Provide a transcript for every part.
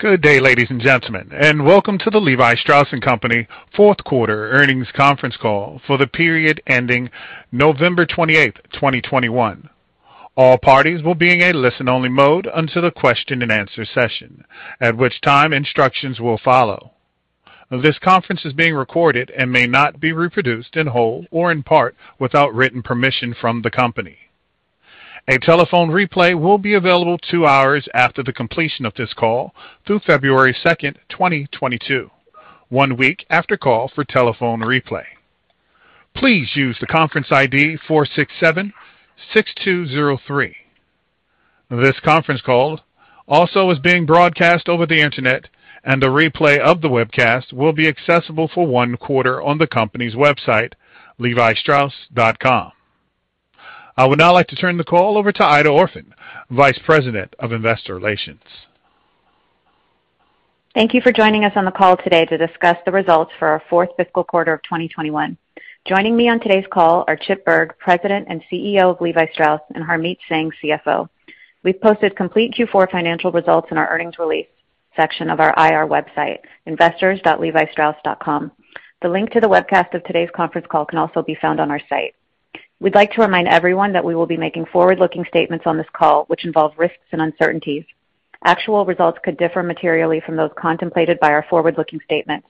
Good day, ladies and gentlemen, and welcome to the Levi Strauss & Co. Q4 earnings conference call for the period ending November 28th, 2021. All parties will be in a listen-only mode until the question and answer session, at which time instructions will follow. This conference is being recorded and may not be reproduced in whole or in part without written permission from the company. A telephone replay will be available 2 hours after the completion of this call through February 2nd, 2022, one week after call for telephone replay. Please use the conference ID 4676203. This conference call also is being broadcast over the Internet and the replay of the webcast will be accessible for one quarter on the company's website, levistrauss.com. I would now like to turn the call over to Aida Orphan, Vice President of Investor Relations. Thank you for joining us on the call today to discuss the results for our 4th fiscal quarter of 2021. Joining me on today's call are Chip Bergh, President and CEO of Levi Strauss, and Harmit Singh, CFO. We've posted complete Q4 financial results in our earnings release section of our IR website, investors.levistrauss.com. The link to the webcast of today's conference call can also be found on our site. We'd like to remind everyone that we will be making forward-looking statements on this call, which involve risks and uncertainties. Actual results could differ materially from those contemplated by our forward-looking statements.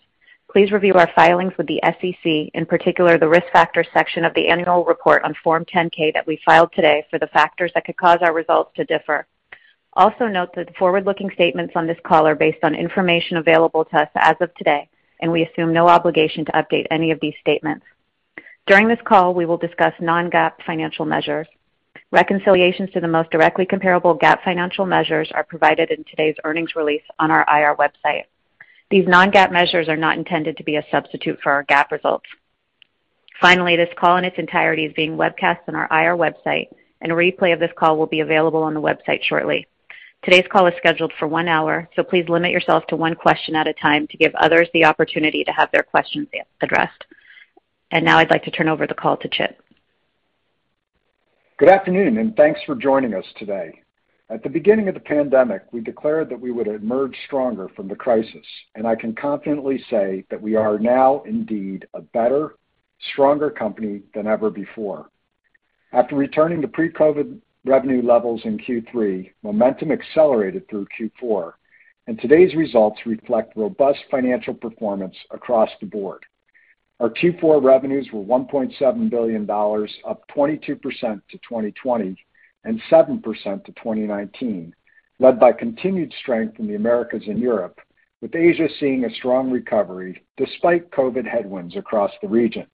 Please review our filings with the SEC, in particular, the Risk Factors section of the annual report on Form 10-K that we filed today for the factors that could cause our results to differ. Also note that forward-looking statements on this call are based on information available to us as of today, and we assume no obligation to update any of these statements. During this call, we will discuss non-GAAP financial measures. Reconciliations to the most directly comparable GAAP financial measures are provided in today's earnings release on our IR website. These non-GAAP measures are not intended to be a substitute for our GAAP results. Finally, this call in its entirety is being webcast on our IR website, and a replay of this call will be available on the website shortly. Today's call is scheduled for one hour, so please limit yourself to one question at a time to give others the opportunity to have their questions addressed. Now I'd like to turn over the call to Chip. Good afternoon, and thanks for joining us today. At the beginning of the pandemic, we declared that we would emerge stronger from the crisis, and I can confidently say that we are now indeed a better, stronger company than ever before. After returning to pre-COVID revenue levels in Q3, momentum accelerated through Q4, and today's results reflect robust financial performance across the board. Our Q4 revenues were $1.7 billion, up 22% to 2020 and 7% to 2019, led by continued strength in the Americas and Europe, with Asia seeing a strong recovery despite COVID headwinds across the region.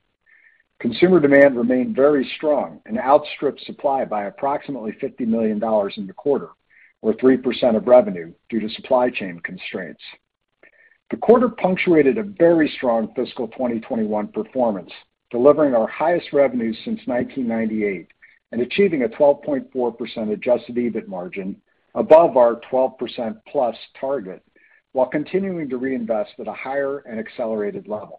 Consumer demand remained very strong and outstripped supply by approximately $50 million in the quarter or 3% of revenue due to supply chain constraints. The quarter punctuated a very strong fiscal 2021 performance, delivering our highest revenues since 1998 and achieving a 12.4% adjusted EBIT margin above our 12%+ target while continuing to reinvest at a higher and accelerated level.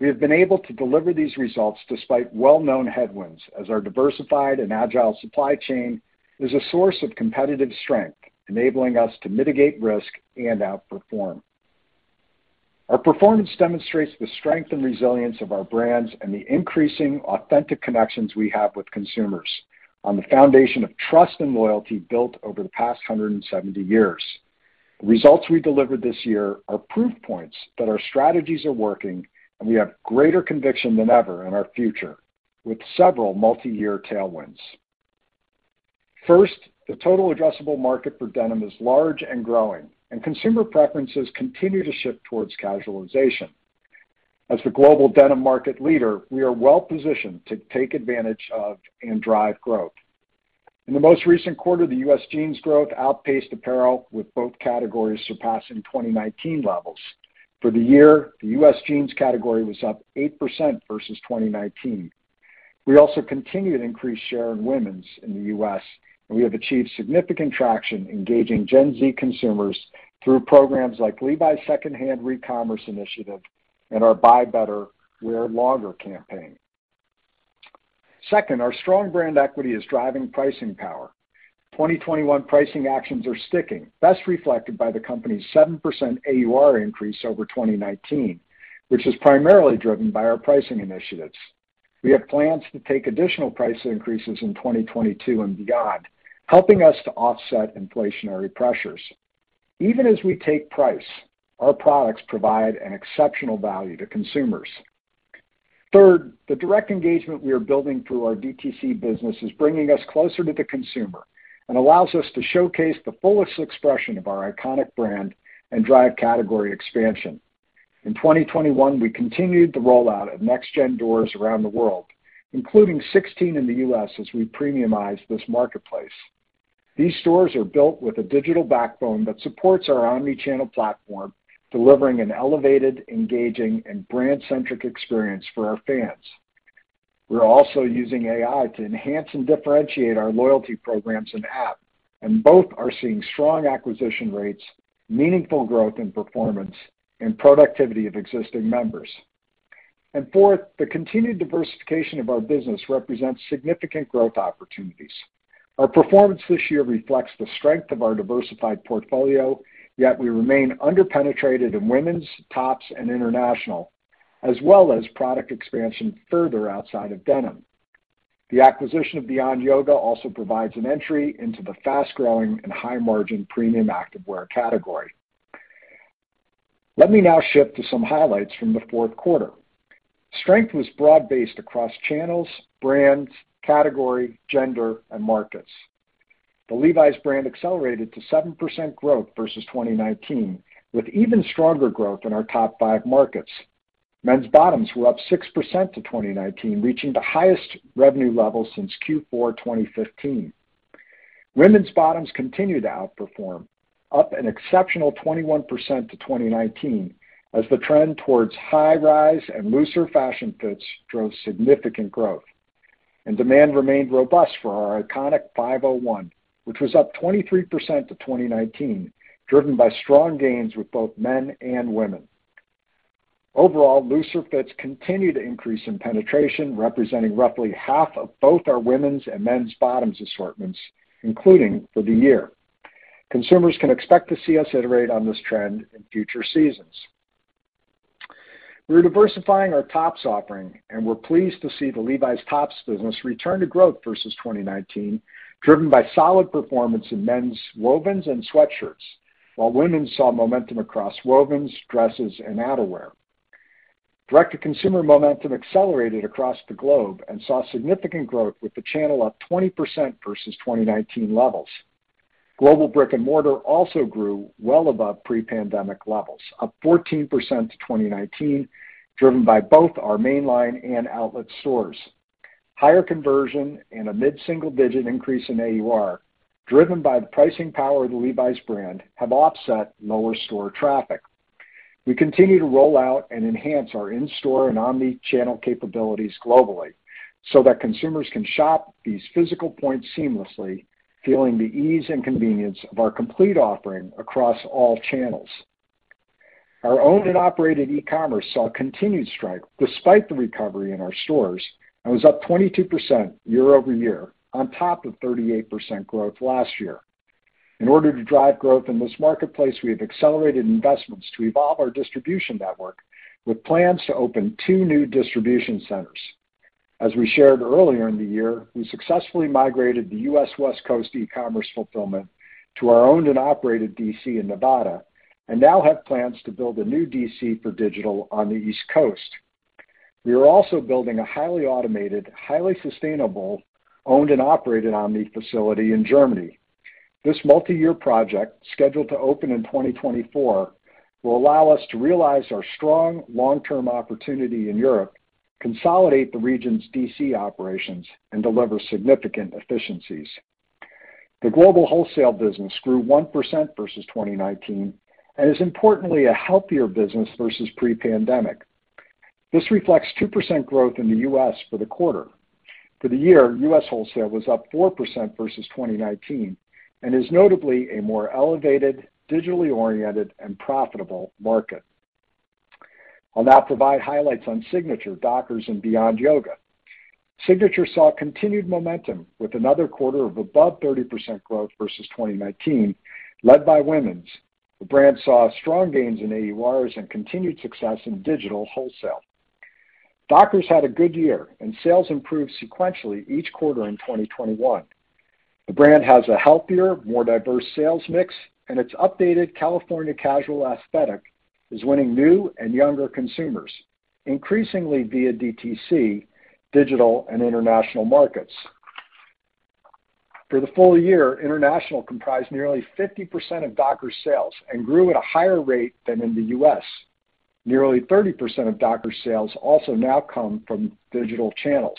We have been able to deliver these results despite well-known headwinds as our diversified and agile supply chain is a source of competitive strength, enabling us to mitigate risk and outperform. Our performance demonstrates the strength and resilience of our brands and the increasing authentic connections we have with consumers on the foundation of trust and loyalty built over the past 170 years. The results we delivered this year are proof points that our strategies are working, and we have greater conviction than ever in our future with several multi-year tailwinds. 1st, the total addressable market for denim is large and growing, and consumer preferences continue to shift towards casualization. As the global denim market leader, we are well positioned to take advantage of and drive growth. In the most recent quarter, the U.S. jeans growth outpaced apparel, with both categories surpassing 2019 levels. For the year, the U.S. jeans category was up 8% versus 2019. We also continued to increase share in women's in the U.S., and we have achieved significant traction engaging Gen Z consumers through programs like Levi's 2nd Hand recommerce initiative and our Buy Better, Wear Longer campaign. 2nd, our strong brand equity is driving pricing power. 2021 pricing actions are sticking, best reflected by the company's 7% AUR increase over 2019, which is primarily driven by our pricing initiatives. We have plans to take additional price increases in 2022 and beyond, helping us to offset inflationary pressures. Even as we take price, our products provide an exceptional value to consumers. 3rd, the direct engagement we are building through our DTC business is bringing us closer to the consumer and allows us to showcase the fullest expression of our iconic brand and drive category expansion. In 2021, we continued the rollout of NextGen doors around the world, including 16 in the U.S. as we premiumize this marketplace. These stores are built with a digital backbone that supports our omni-channel platform, delivering an elevated, engaging, and brand-centric experience for our fans. We're also using AI to enhance and differentiate our loyalty programs and app, and both are seeing strong acquisition rates, meaningful growth in performance, and productivity of existing members. 4th, the continued diversification of our business represents significant growth opportunities. Our performance this year reflects the strength of our diversified portfolio, yet we remain under-penetrated in women's, tops, and international, as well as product expansion further outside of denim. The acquisition of Beyond Yoga also provides an entry into the fast-growing and high-margin premium activewear category. Let me now shift to some highlights from the Q4. Strength was broad-based across channels, brands, category, gender, and markets. The Levi's brand accelerated to 7% growth versus 2019, with even stronger growth in our top five markets. Men's bottoms were up 6% to 2019, reaching the highest revenue level since Q4 2015. Women's bottoms continue to outperform, up an exceptional 21% to 2019 as the trend towards high rise and looser fashion fits drove significant growth. Demand remained robust for our iconic 501, which was up 23% to 2019, driven by strong gains with both men and women. Overall, looser fits continue to increase in penetration, representing roughly half of both our women's and men's bottoms assortments, including for the year. Consumers can expect to see us iterate on this trend in future seasons. We're diversifying our tops offering, and we're pleased to see the Levi's tops business return to growth versus 2019, driven by solid performance in men's wovens and sweatshirts, while women saw momentum across wovens, dresses, and outerwear. Direct-to-consumer momentum accelerated across the globe and saw significant growth with the channel up 20% versus 2019 levels. Global brick-and-mortar also grew well above pre-pandemic levels, up 14% to 2019, driven by both our mainline and outlet stores. Higher conversion and a mid-single-digit increase in AUR, driven by the pricing power of the Levi's brand, have offset lower store traffic. We continue to roll out and enhance our in-store and omni-channel capabilities globally so that consumers can shop these physical points seamlessly, feeling the ease and convenience of our complete offering across all channels. Our owned and operated e-commerce saw continued strength despite the recovery in our stores and was up 22% year-over-year on top of 38% growth last year. In order to drive growth in this marketplace, we have accelerated investments to evolve our distribution network with plans to open 2 new distribution centers. As we shared earlier in the year, we successfully migrated the U.S. West Coast e-commerce fulfillment to our owned and operated DC in Nevada, and now have plans to build a new DC for digital on the East Coast. We are also building a highly automated, highly sustainable, owned and operated omni facility in Germany. This multi-year project, scheduled to open in 2024, will allow us to realize our strong long-term opportunity in Europe, consolidate the region's DC operations, and deliver significant efficiencies. The global wholesale business grew 1% versus 2019 and is importantly a healthier business versus pre-pandemic. This reflects 2% growth in the U.S. for the quarter. For the year, U.S. wholesale was up 4% versus 2019 and is notably a more elevated, digitally oriented, and profitable market. I'll now provide highlights on Signature, Dockers, and Beyond Yoga. Signature saw continued momentum with another quarter of above 30% growth versus 2019, led by women's. The brand saw strong gains in AURs and continued success in digital wholesale. Dockers had a good year, and sales improved sequentially each quarter in 2021. The brand has a healthier, more diverse sales mix, and its updated California casual aesthetic is winning new and younger consumers, increasingly via DTC, digital, and international markets. For the full year, international comprised nearly 50% of Dockers sales and grew at a higher rate than in the U.S. Nearly 30% of Dockers sales also now come from digital channels.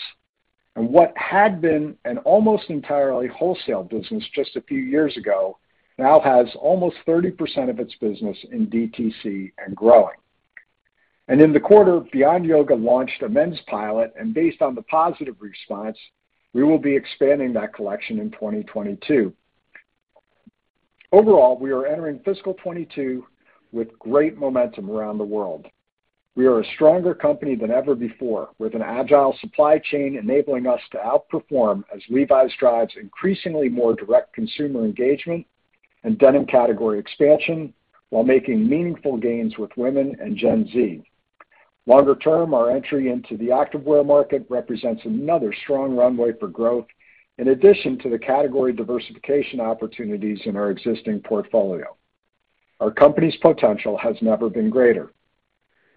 What had been an almost entirely wholesale business just a few years ago now has almost 30% of its business in DTC and growing. In the quarter, Beyond Yoga launched a men's pilot, and based on the positive response, we will be expanding that collection in 2022. Overall, we are entering fiscal 2022 with great momentum around the world. We are a stronger company than ever before, with an agile supply chain enabling us to outperform as Levi's drives increasingly more direct consumer engagement and denim category expansion while making meaningful gains with women and Gen Z. Longer term, our entry into the activewear market represents another strong runway for growth in addition to the category diversification opportunities in our existing portfolio. Our company's potential has never been greater.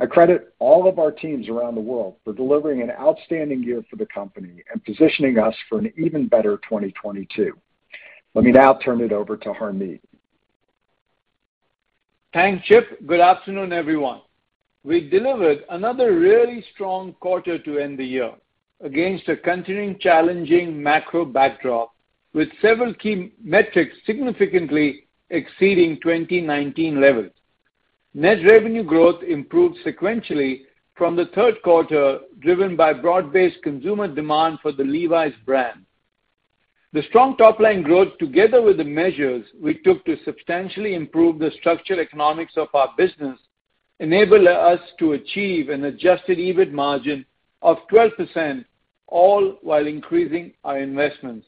I credit all of our teams around the world for delivering an outstanding year for the company and positioning us for an even better 2022. Let me now turn it over to Harmeet. Thanks, Chip. Good afternoon, everyone. We delivered another really strong quarter to end the year against a continuing challenging macro backdrop with several key metrics significantly exceeding 2019 levels. Net revenue growth improved sequentially from the 3rd quarter, driven by broad-based consumer demand for the Levi's brand. The strong top line growth, together with the measures we took to substantially improve the structural economics of our business, enable us to achieve an adjusted EBIT margin of 12%, all while increasing our investments.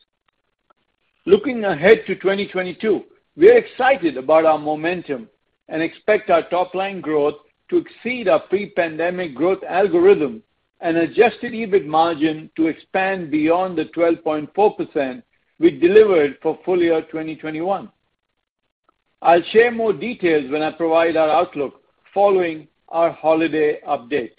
Looking ahead to 2022, we're excited about our momentum and expect our top-line growth to exceed our pre-pandemic growth algorithm and adjusted EBIT margin to expand beyond the 12.4% we delivered for full year 2021. I'll share more details when I provide our outlook following our holiday update.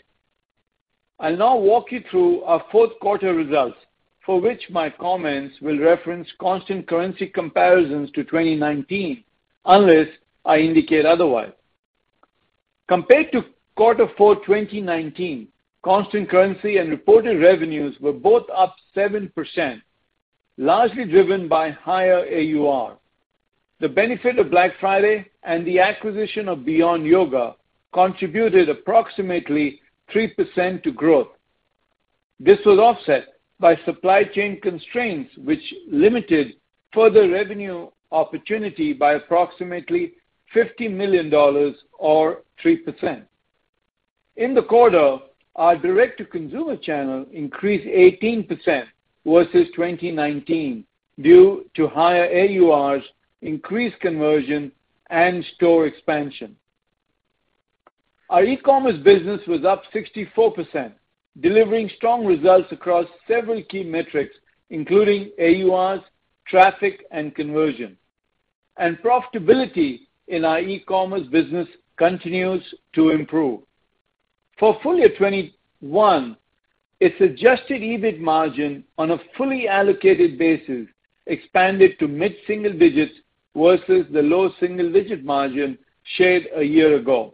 I'll now walk you through our Q4 results, for which my comments will reference constant currency comparisons to 2019, unless I indicate otherwise. Compared to Q4, 2019, constant currency and reported revenues were both up 7%, largely driven by higher AUR. The benefit of Black Friday and the acquisition of Beyond Yoga contributed approximately 3% to growth. This was offset by supply chain constraints, which limited further revenue opportunity by approximately $50 million or 3%. In the quarter, our direct-to-consumer channel increased 18% versus 2019 due to higher AURs, increased conversion, and store expansion. Our e-commerce business was up 64%, delivering strong results across several key metrics, including AURs, traffic, and conversion. Profitability in our e-commerce business continues to improve. For full year 2021, its adjusted EBIT margin on a fully allocated basis expanded to mid-single digits versus the low single-digit margin shared a year ago.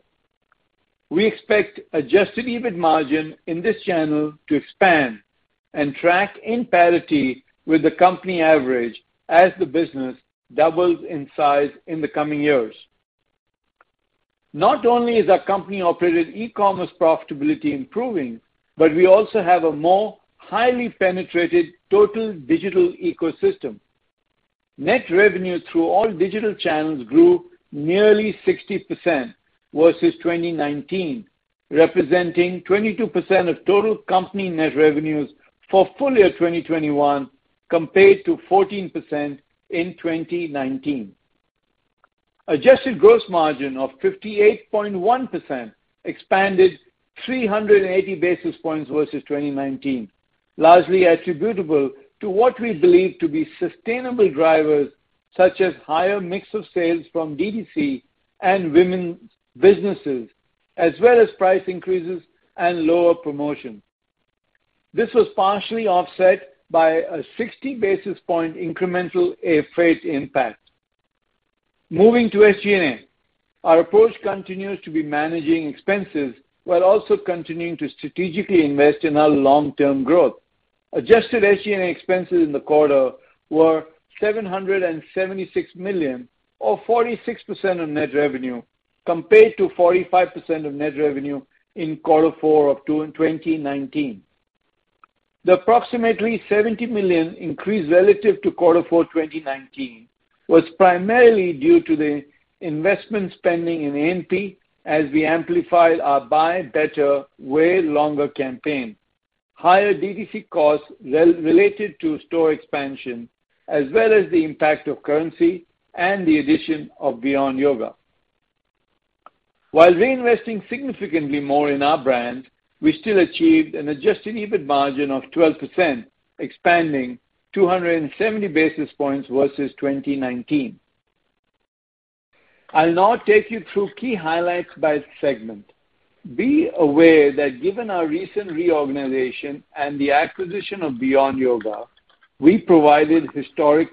We expect adjusted EBIT margin in this channel to expand and track in parity with the company average as the business doubles in size in the coming years. Not only is our company-operated e-commerce profitability improving, but we also have a more highly penetrated total digital ecosystem. Net revenue through all digital channels grew nearly 60% versus 2019, representing 22% of total company net revenues for full year 2021 compared to 14% in 2019. Adjusted gross margin of 58.1% expanded 380 basis points versus 2019, largely attributable to what we believe to be sustainable drivers such as higher mix of sales from DTC and women's businesses, as well as price increases and lower promotion. This was partially offset by a 60 basis point incremental air freight impact. Moving to SG&A. Our approach continues to be managing expenses while also continuing to strategically invest in our long-term growth. Adjusted SG&A expenses in the quarter were $776 million or 46% of net revenue, compared to 45% of net revenue in quarter four of 2019. The approximately $70 million increase relative to quarter four, 2019 was primarily due to the investment spending in A&M as we amplified our Buy Better, Wear Longer campaign, higher DTC costs related to store expansion, as well as the impact of currency and the addition of Beyond Yoga. While reinvesting significantly more in our brand, we still achieved an adjusted EBIT margin of 12%, expanding 270 basis points versus 2019. I'll now take you through key highlights by segment. Be aware that given our recent reorganization and the acquisition of Beyond Yoga, we provided historic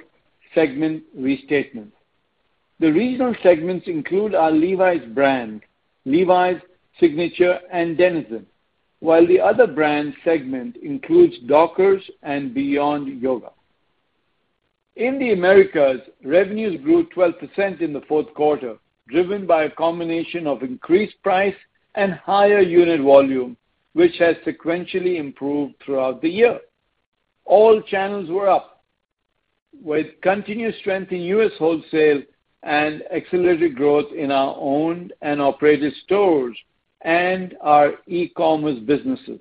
segment restatements. The regional segments include our Levi's brand, Levi's Signature, and Denizen, while the other brand segment includes Dockers and Beyond Yoga. In the Americas, revenues grew 12% in the fourth quarter, driven by a combination of increased price and higher unit volume, which has sequentially improved throughout the year. All channels were up, with continued strength in U.S. wholesale and accelerated growth in our owned and operated stores and our e-commerce businesses.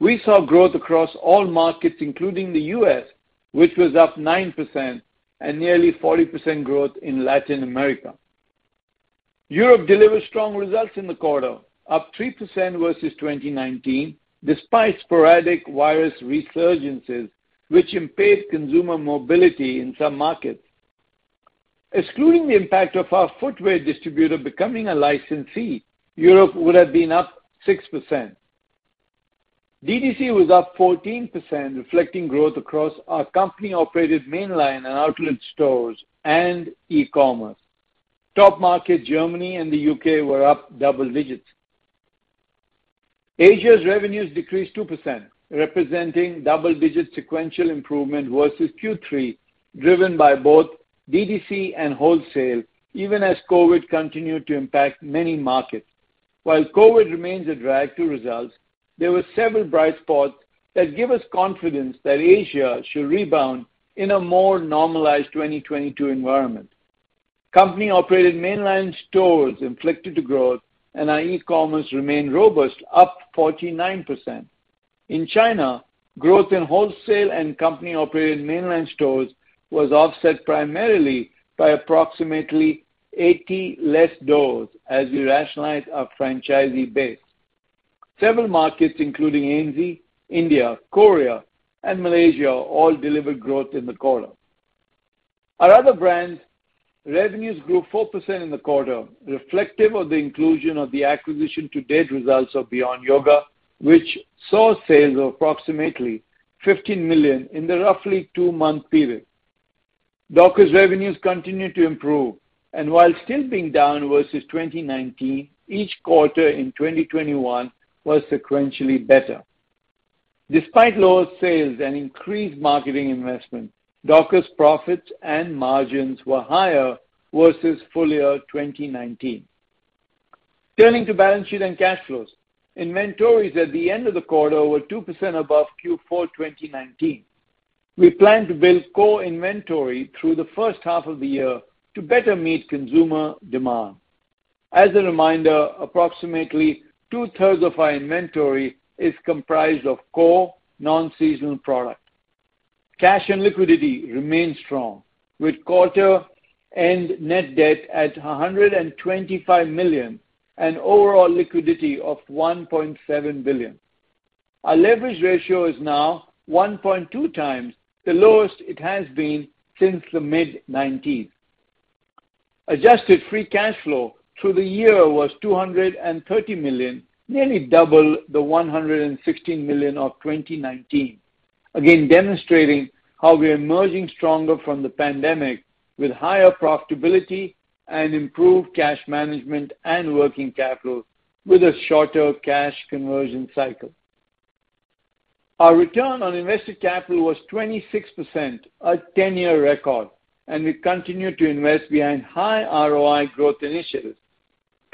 We saw growth across all markets, including the U.S., which was up 9% and nearly 40% growth in Latin America. Europe delivered strong results in the quarter, up 3% versus 2019, despite sporadic virus resurgences which impaired consumer mobility in some markets. Excluding the impact of our footwear distributor becoming a licensee, Europe would have been up 6%. DTC was up 14%, reflecting growth across our company-operated mainline and outlet stores and e-commerce. Top market Germany and the U.K. were up double digits. Asia's revenues decreased 2%, representing double-digit sequential improvement versus Q3, driven by both DTC and wholesale, even as COVID continued to impact many markets. While COVID remains a drag to results, there were several bright spots that give us confidence that Asia should rebound in a more normalized 2022 environment. Company-operated mainland stores contributed to growth, and our e-commerce remained robust, up 49%. In China, growth in wholesale and company-operated mainland stores was offset primarily by approximately 80 less doors as we rationalize our franchisee base. Several markets, including ANZ, India, Korea, and Malaysia, all delivered growth in the quarter. Our other brands revenue grew 4% in the quarter, reflective of the inclusion of the acquisition to date results of Beyond Yoga, which saw sales of approximately $15 million in the roughly 2-month period. Dockers revenue continues to improve, and while still being down versus 2019, each quarter in 2021 was sequentially better. Despite lower sales and increased marketing investment, Dockers profits and margins were higher versus full-year 2019. Turning to balance sheet and cash flows. Inventories at the end of the quarter were 2% above Q4 2019. We plan to build core inventory through the first half of the year to better meet consumer demand. As a reminder, approximately 2/3 of our inventory is comprised of core non-seasonal product. Cash and liquidity remain strong with quarter-end net debt at $125 million and overall liquidity of $1.7 billion. Our leverage ratio is now 1.2 times the lowest it has been since the mid-nineteenth. Adjusted free cash flow through the year was $230 million, nearly double the $116 million of 2019. Again, demonstrating how we are emerging stronger from the pandemic with higher profitability and improved cash management and working capital with a shorter cash conversion cycle. Our return on invested capital was 26%, a 10-year record, and we continue to invest behind high ROI growth initiatives.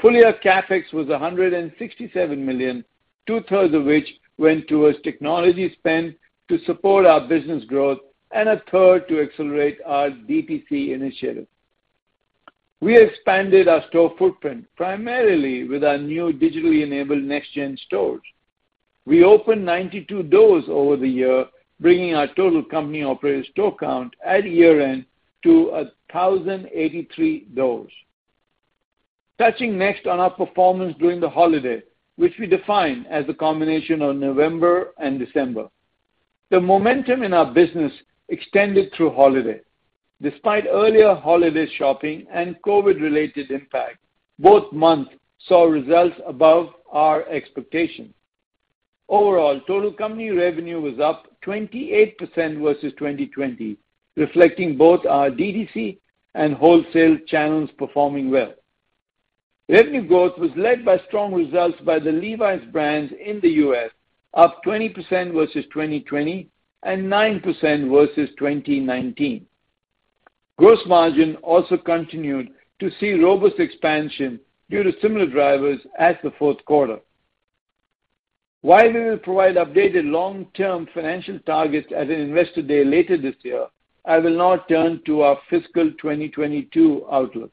Full-year CapEx was $167 million, 2/3 of which went towards technology spend to support our business growth and a 3rd to accelerate our DTC initiative. We expanded our store footprint, primarily with our new digitally enabled NextGen stores. We opened 92 doors over the year, bringing our total company-operated store count at year-end to 1,083 doors. Touching next on our performance during the holiday, which we define as a combination of November and December. The momentum in our business extended through holiday. Despite earlier holiday shopping and COVID-related impact, both months saw results above our expectations. Overall, total company revenue was up 28% versus 2020, reflecting both our DTC and wholesale channels performing well. Revenue growth was led by strong results by the Levi's brands in the U.S., up 20% versus 2020 and 9% versus 2019. Gross margin also continued to see robust expansion due to similar drivers as the Q4. While we will provide updated long-term financial targets at an investor day later this year, I will now turn to our fiscal 2022 outlook.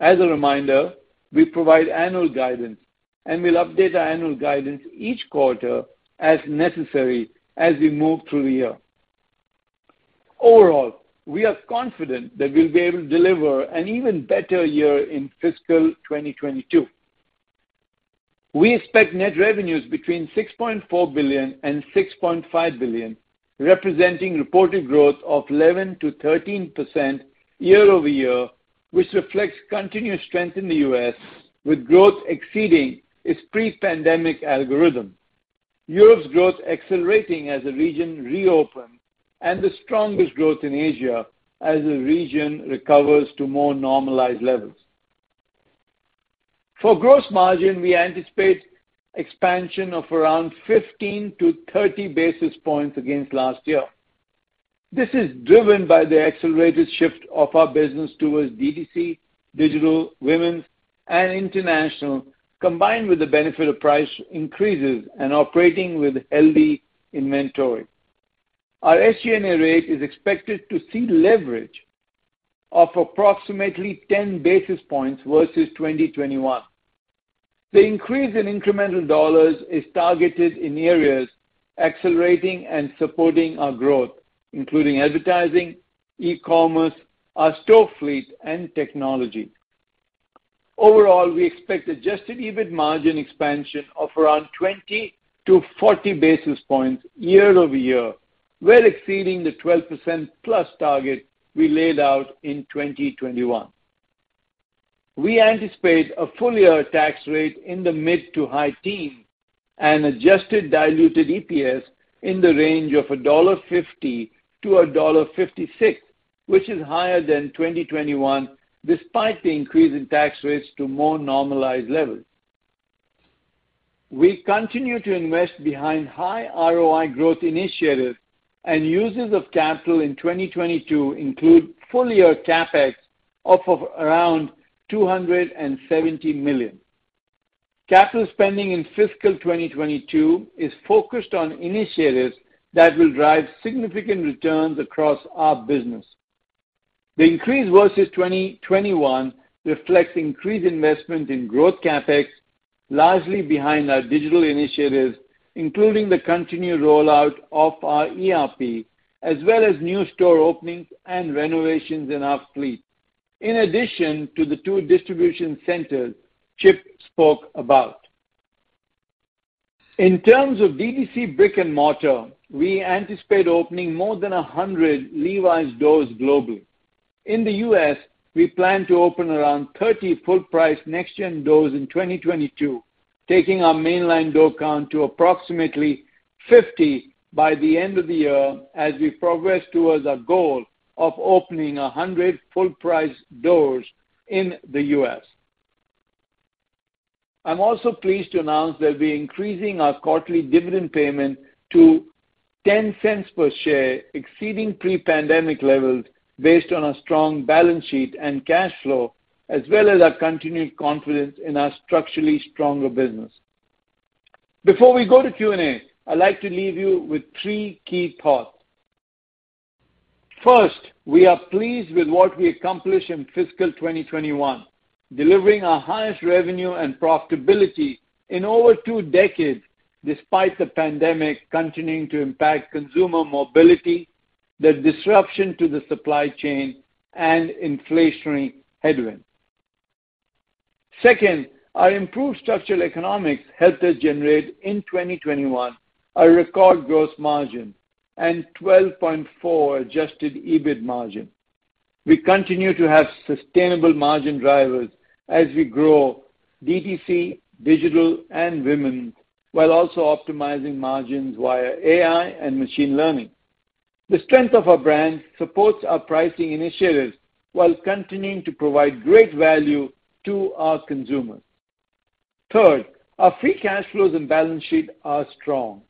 As a reminder, we provide annual guidance, and we'll update our annual guidance each quarter as necessary as we move through the year. Overall, we are confident that we'll be able to deliver an even better year in fiscal 2022. We expect net revenues between $6.4 billion and $6.5 billion, representing reported growth of 11% to 13% year-over-year, which reflects continuous strength in the U.S., with growth exceeding its pre-pandemic algorithm, Europe's growth accelerating as the region reopen and the strongest growth in Asia as the region recovers to more normalized levels. For gross margin, we anticipate expansion of around 15 to 30 basis points against last year. This is driven by the accelerated shift of our business towards DTC, digital, women's, and international, combined with the benefit of price increases and operating with healthy inventory. Our SG&A rate is expected to see leverage of approximately 10 basis points versus 2021. The increase in incremental dollars is targeted in areas accelerating and supporting our growth, including advertising, e-commerce, our store fleet, and technology. Overall, we expect adjusted EBIT margin expansion of around 20 to 40 basis points year-over-year. We're exceeding the 12%+ target we laid out in 2021. We anticipate a full year tax rate in the mid- to high-teens and adjusted diluted EPS in the range of $50 to$ 56, which is higher than 2021, despite the increase in tax rates to more normalized levels. We continue to invest behind high ROI growth initiatives and uses of capital in 2022 include full year CapEx of around $270 million. Capital spending in fiscal 2022 is focused on initiatives that will drive significant returns across our business. The increase versus 2021 reflects increased investment in growth CapEx, largely behind our digital initiatives, including the continued rollout of our ERP, as well as new store openings and renovations in our fleet, in addition to the two distribution centers Chip spoke about. In terms of DTC brick and mortar, we anticipate opening more than 100 Levi's doors globally. In the U.S., we plan to open around 30 full-price NextGen doors in 2022, taking our mainline door count to approximately 50 by the end of the year as we progress towards our goal of opening 100 full-price doors in the U.S. I'm also pleased to announce that we're increasing our quarterly dividend payment to $0.10 per share, exceeding pre-pandemic levels based on our strong balance sheet and cash flow, as well as our continued confidence in our structurally stronger business. Before we go to Q&A, I'd like to leave you with three key thoughts. 1st, we are pleased with what we accomplished in fiscal 2021, delivering our highest revenue and profitability in over two decades despite the pandemic continuing to impact consumer mobility, the disruption to the supply chain, and inflationary headwinds. 2nd, our improved structural economics helped us generate in 2021 a record gross margin and 12.4% adjusted EBIT margin. We continue to have sustainable margin drivers as we grow DTC, digital, and women, while also optimizing margins via AI and machine learning. The strength of our brand supports our pricing initiatives while continuing to provide great value to our consumers. 3rd, our free cash flows and balance sheet are strong,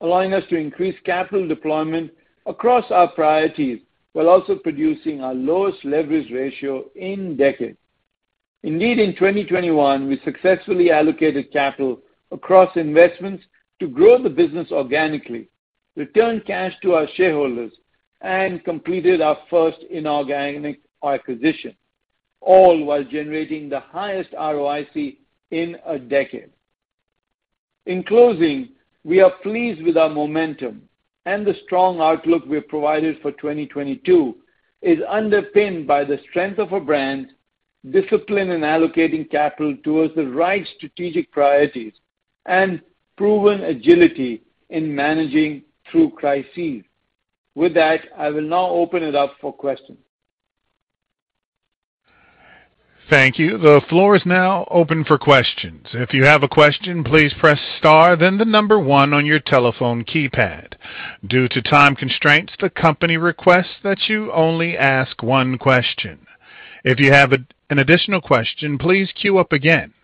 allowing us to increase capital deployment across our priorities while also producing our lowest leverage ratio in decades. Indeed, in 2021, we successfully allocated capital across investments to grow the business organically, return cash to our shareholders, and completed our first inorganic acquisition, all while generating the highest ROIC in a decade. In closing, we are pleased with our momentum and the strong outlook we have provided for 2022 is underpinned by the strength of our brand, discipline in allocating capital towards the right strategic priorities, and proven agility in managing through crises. With that, I will now open it up for questions. Thank you. The floor is now open for questions. If you have a question, please press star then the number 1 on your telephone keypad. Due to time constraints, the company requests that you only ask 1 question. If you have an additional question, please queue up again.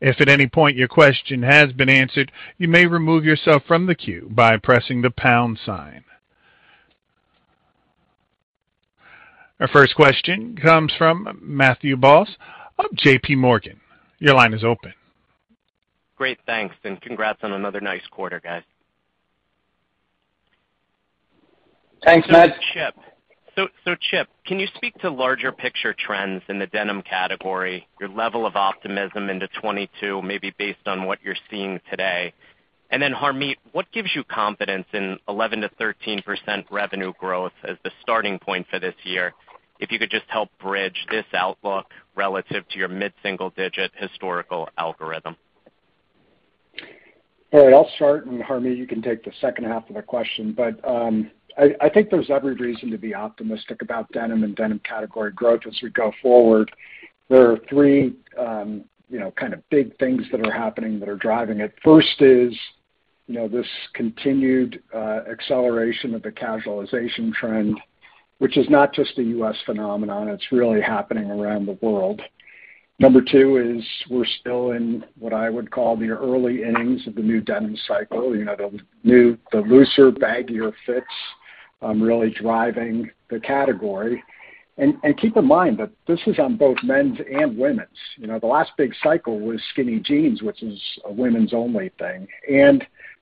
If at any point your question has been answered, you may remove yourself from the queue by pressing the pound sign. Our first question comes from Matthew Boss of JP Morgan. Your line is open. Great, thanks, and congrats on another nice quarter, guys. Thanks, Matt. Chip, can you speak to larger picture trends in the denim category, your level of optimism into 2022 maybe based on what you're seeing today? Then Harmeet, what gives you confidence in 11%-13% revenue growth as the starting point for this year? If you could just help bridge this outlook relative to your mid-single-digit historical algorithm. All right, I'll start, and Harmit, you can take the H2 of the question. I think there's every reason to be optimistic about denim and denim category growth as we go forward. There are 3, you know, kind of big things that are happening that are driving it. 1st is, you know, this continued acceleration of the casualization trend, which is not just a U.S. phenomenon. It's really happening around the world. Number 2 is we're still in what I would call the early innings of the new denim cycle. You know, the looser, baggier fits, really driving the category. Keep in mind that this is on both men's and women's. You know, the last big cycle was skinny jeans, which is a women's only thing.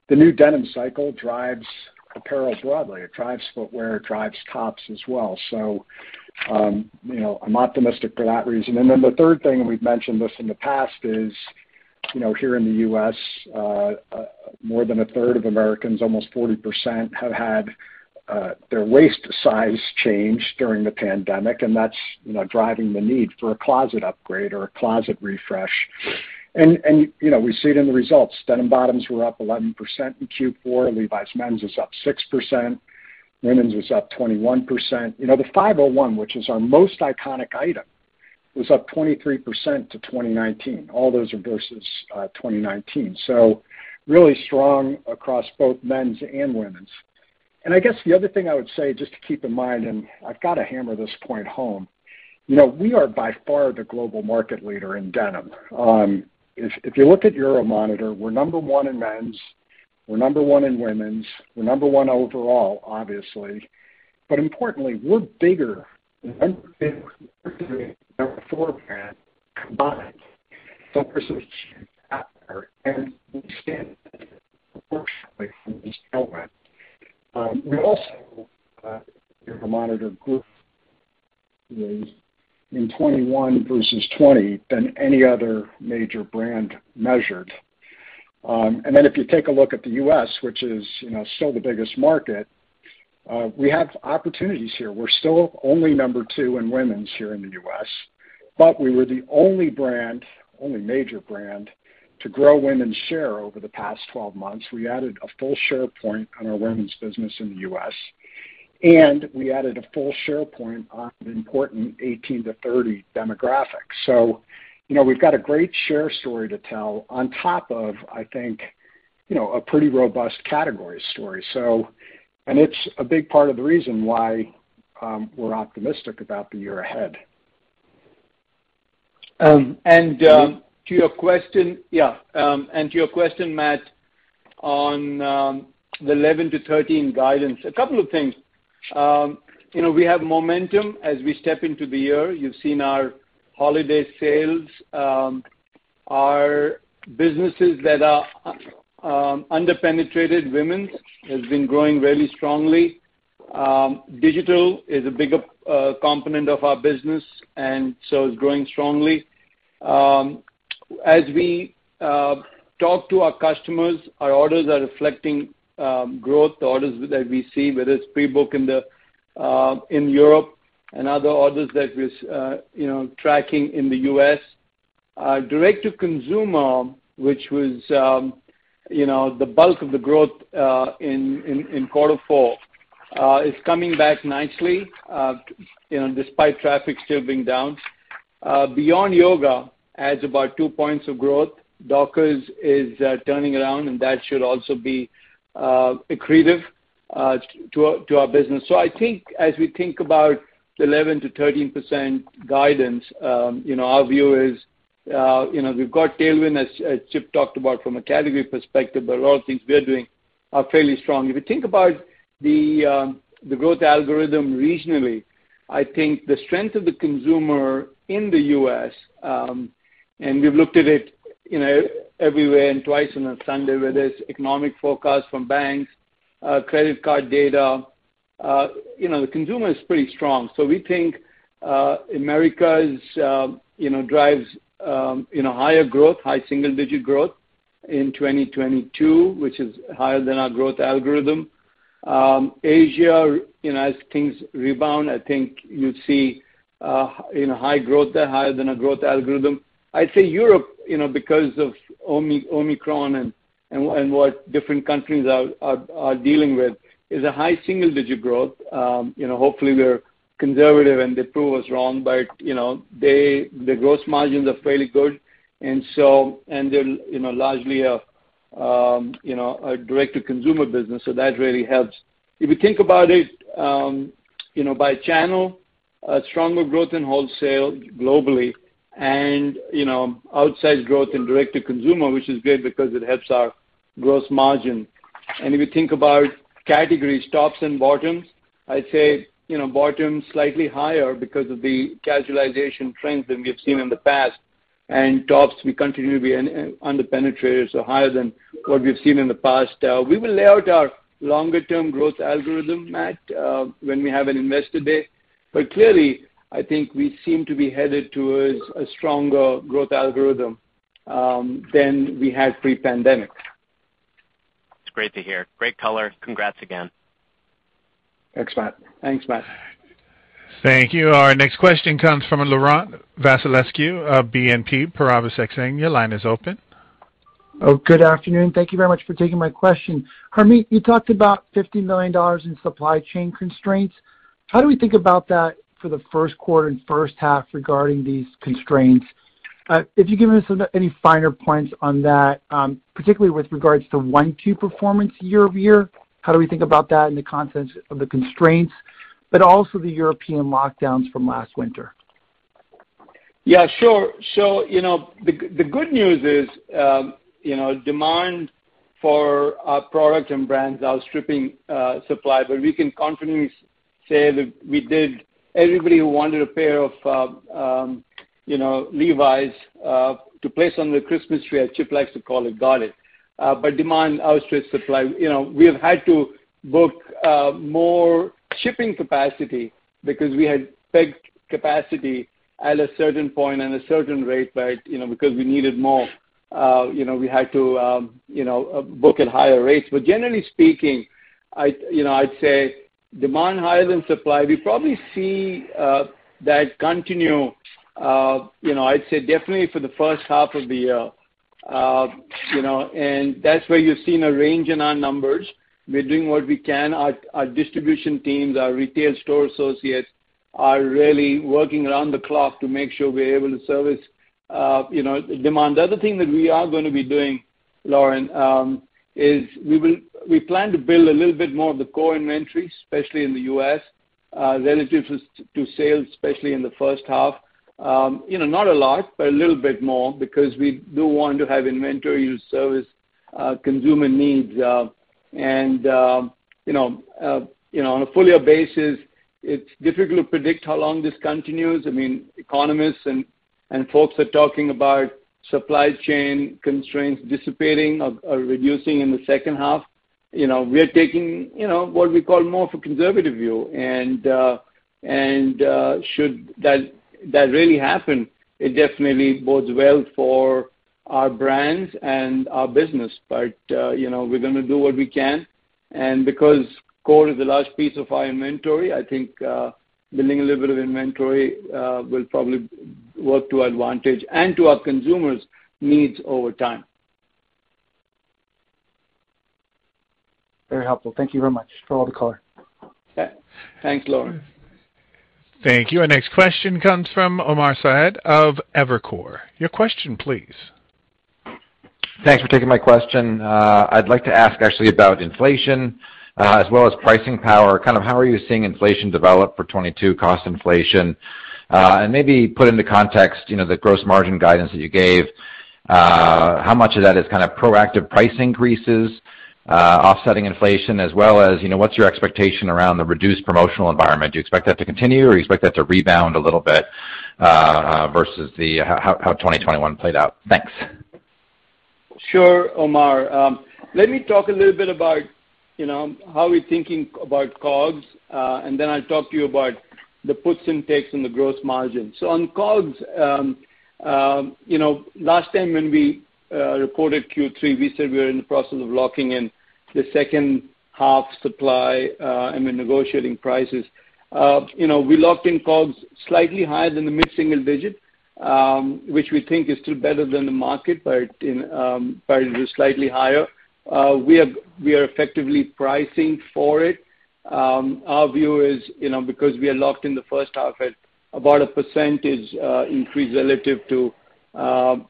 The new denim cycle drives apparel broadly. It drives footwear, it drives tops as well. You know, I'm optimistic for that reason. Then the 3rd thing, we've mentioned this in the past, is, you know, here in the U.S., more than a 3rd of Americans, almost 40%, have had their waist size change during the pandemic, and that's, you know, driving the need for a closet upgrade or a closet refresh. You know, we see it in the results. Denim bottoms were up 11% in Q4. Levi's Men's was up 6%. Women's was up 21%. You know, the 501®, which is our most iconic item, was up 23% to 2019. All those are versus 2019. Really strong across both men's and women's. I guess the other thing I would say just to keep in mind, and I've got to hammer this point home, you know, we are by far the global market leader in denim. If you look at Euromonitor, we're number one in men's, we're number one in women's, we're number one overall, obviously. Importantly, we're bigger than the number 2, three, and four brands combined. There's a huge opportunity there, and we stand to benefit proportionally from this tailwind. We also grew more in 2021 versus 2020 than any other major brand measured, per Euromonitor. Then if you take a look at the U.S., which is, you know, still the biggest market, we have opportunities here. We're still only number 2 in women's here in the U.S., but we were the only brand, only major brand, to grow women's share over the past 12 months. We added a full share point on our women's business in the U.S., and we added a full share point on the important 18 to 30 demographic. You know, we've got a great share story to tell on top of, I think, you know, a pretty robust category story. It's a big part of the reason why we're optimistic about the year ahead. To your question, Matt, on the 11% to 13% guidance, a couple of things. You know, we have momentum as we step into the year. You've seen our holiday sales. Our businesses that are under-penetrated, women's has been growing really strongly. Digital is a bigger component of our business, and so it's growing strongly. As we talk to our customers, our orders are reflecting growth. The orders that we see, whether it's pre-book in Europe and other orders that is tracking in the U.S. Our direct-to-consumer, which was, you know, the bulk of the growth in quarter four, is coming back nicely, you know, despite traffic still being down. Beyond Yoga adds about 2% growth. Dockers is turning around, and that should also be accretive to our business. I think as we think about the 11% to 13% guidance, you know, our view is, you know, we've got tailwind, as Chip talked about from a category perspective, but a lot of things we are doing are fairly strong. If you think about the growth algorithm regionally, I think the strength of the consumer in the U.S., and we've looked at it, you know, everywhere and twice on a Sunday, whether it's economic forecasts from banks, credit card data, you know, the consumer is pretty strong. We think Americas, you know, drives, you know, higher growth, high single-digit growth in 2022, which is higher than our growth algorithm. Asia, you know, as things rebound, I think you'd see high growth there, higher than our growth algorithm. I'd say Europe, you know, because of Omicron and what different countries are dealing with is a high single-digit growth. You know, hopefully we're conservative and they prove us wrong. You know, the gross margins are fairly good. And they're, you know, largely a direct-to-consumer business, so that really helps. If you think about it, you know, by channel, a stronger growth in wholesale globally and, you know, outsized growth in direct-to-consumer, which is good because it helps our gross margin. If you think about categories, tops and bottoms, I'd say, you know, bottoms slightly higher because of the casualization trends than we've seen in the past. Tops, we continue to be under-penetrated, so higher than what we've seen in the past. We will lay out our longer-term growth algorithm, Matt, when we have an investor day. Clearly, I think we seem to be headed towards a stronger growth algorithm than we had pre-pandemic. It's great to hear. Great color. Congrats again. Thanks, Matt. Thank you. Our next question comes from Laurent Vasilescu of BNP Paribas Exane. Your line is open. Oh, good afternoon. Thank you very much for taking my question. Harmit, you talked about $50 million in supply chain constraints. How do we think about that for the Q1 and H1 regarding these constraints? If you could give us any finer points on that, particularly with regards to 1Q performance year-over-year. How do we think about that in the context of the constraints, but also the European lockdowns from last winter? Yeah, sure. You know, the good news is demand for our product and brands outstripping supply, but we can confidently say that we did. Everybody who wanted a pair of Levi's to place on their Christmas tree, as Chip likes to call it, got it. Demand outstripped supply. You know, we have had to book more shipping capacity because we had pegged capacity at a certain point and a certain rate. You know, because we needed more, you know, we had to book at higher rates. Generally speaking, I'd say demand higher than supply. We probably see that continue, you know, I'd say definitely for the first half of the year. You know, that's where you've seen a range in our numbers. We're doing what we can. Our distribution teams, our retail store associates are really working around the clock to make sure we're able to service demand. The other thing that we are going be doing, Lauren, is we plan to build a little bit more of the core inventory, especially in the U.S., relative to sales, especially in the first half. Not a lot, but a little bit more because we do want to have inventory to service consumer needs. On a full year basis, it's difficult to predict how long this continues. I mean, economists and folks are talking about supply chain constraints dissipating or reducing in the second half. You know, we're taking what we call more of a conservative view. should that really happen, it definitely bodes well for our brands and our business. You know, we're going to do what we can. Because core is the last piece of our inventory, I think building a little bit of inventory will probably work to our advantage and to our consumers' needs over time. Very helpful. Thank you very much for all the color. Yeah. Thanks, Lauren. Thank you. Our next question comes from Omar Saad of Evercore. Your question please. Thanks for taking my question. I'd like to ask actually about inflation, as well as pricing power. Kind of how are you seeing inflation develop for 2022 cost inflation? Maybe put into context, you know, the gross margin guidance that you gave, how much of that is kind proactive price increases, offsetting inflation as well as, you know, what's your expectation around the reduced promotional environment? Do you expect that to continue, or you expect that to rebound a little bit, versus how 2021 played out? Thanks. Sure, Omar. Let me talk a little bit about, you know, how we're thinking about COGS, and then I'll talk to you about the puts and takes on the gross margin. On COGS, you know, last time when we reported Q3, we said we are in the process of locking in the H2 supply, and we're negotiating prices. You know, we locked in COGS slightly higher than the mid-single digit, which we think is still better than the market, but it is slightly higher. We are effectively pricing for it. Our view is, you know, because we are locked in the first half at about 1% increase relative to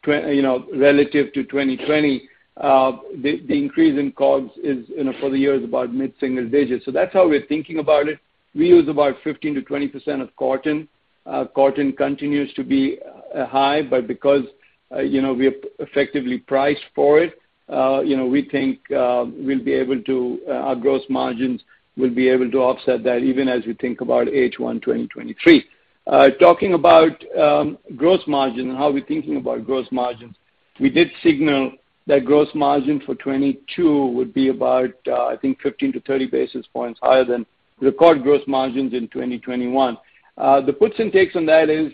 2020, the increase in COGS is, you know, for the year about mid-single digits%. So that's how we're thinking about it. We use about 15% to 20% of cotton. Cotton continues to be high, but because, you know, we effectively price for it, you know, we think we'll be able to, our gross margins will be able to offset that even as we think about H1 2023. Talking about gross margin and how we're thinking about gross margins, we did signal that gross margin for 2022 would be about 15-30 basis points higher than record gross margins in 2021. The puts and takes on that is,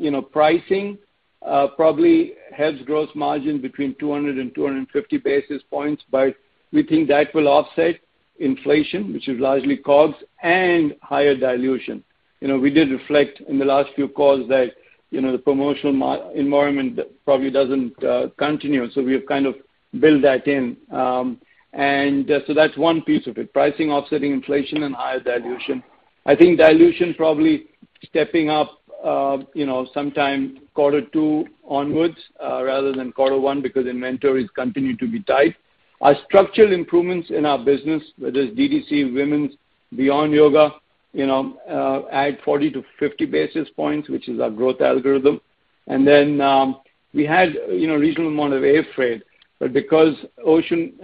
you know, pricing probably helps gross margin between 200 and 250 basis points, but we think that will offset inflation, which is largely COGS and higher dilution. You know, we did reflect in the last few calls that, you know, the promotional environment probably doesn't continue, so we've kind of built that in. So that's one piece of it, pricing offsetting inflation and higher dilution. I think dilution probably stepping up, you know, sometime Q2 onwards, rather than quarter one because inventories continue to be tight. Our structural improvements in our business, whether it's DTC, women's, Beyond Yoga, you know, add 40 to 50 basis points, which is our growth algorithm. We had, you know, reasonable amount of air freight. Because ocean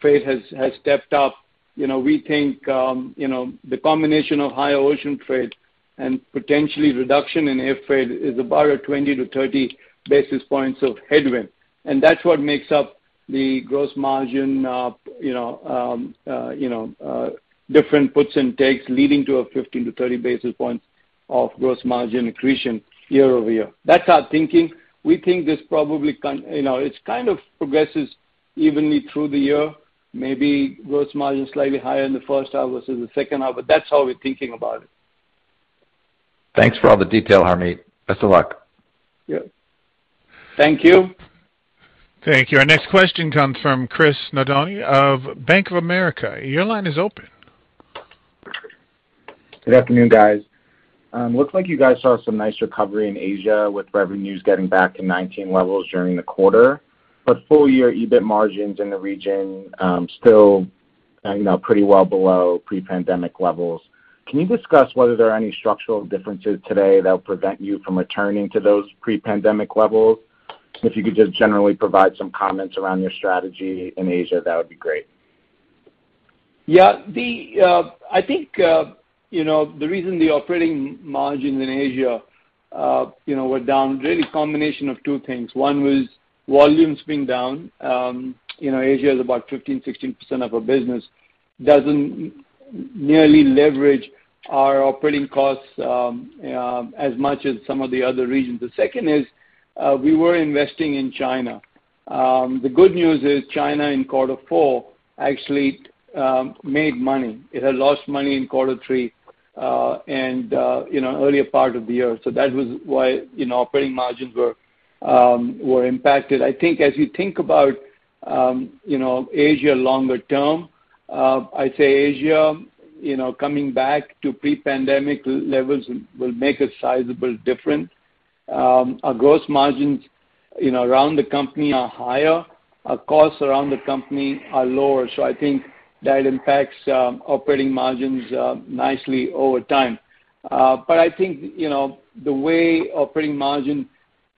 freight has stepped up, you know, we think the combination of higher ocean freight and potential reduction in air freight is about a 20 to 30 basis points of headwind. That's what makes up the gross margin of different puts and takes leading to a 15 to 30 basis points of gross margin accretion year over year. That's our thinking. We think this probably, you know, kind of progresses evenly through the year, maybe gross margin slightly higher in the first half versus the second half, but that's how we're thinking about it. Thanks for all the detail, Harmit. Best of luck. Yeah. Thank you. Thank you. Our next question comes from Christopher Nardone of Bank of America. Your line is open. Good afternoon, guys. Looks like you guys saw some nice recovery in Asia with revenues getting back to 2019 levels during the quarter. Full year EBIT margins in the region, still, pretty well below pre-pandemic levels. Can you discuss whether there are any structural differences today that will prevent you from returning to those pre-pandemic levels? If you could just generally provide some comments around your strategy in Asia, that would be great. Yeah. I think, you know, the reason the operating margins in Asia, you know, were down really combination of two things. One was volumes being down. You know, Asia is about 15% to 16% of our business. Doesn't nearly leverage our operating costs, as much as some of the other regions. The 2nd is, we were investing in China. The good news is China in Q4 actually made money. It had lost money in quarter three, and, you know, earlier part of the year. That was why, you know, operating margins were impacted. I think as you think about, you know, Asia longer term. I'd say Asia, you know, coming back to pre-pandemic levels will make a sizable difference. Our gross margins, you know, around the company are higher. Our costs around the company are lower. I think that impacts operating margins nicely over time. I think you know the way operating margin